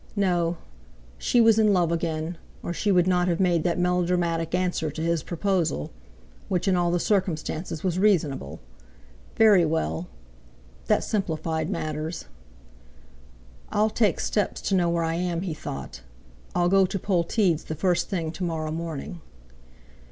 No; she was in love again, or she would not have made that melodramatic answer to his proposal, which in all the circumstances was reasonable! Very well! That simplified matters. "I'll take steps to know where I am," he thought; "I'll go to Polteed's the first thing tomorrow morning."